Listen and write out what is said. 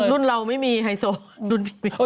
รุ่นเราไม่มีไฮโซ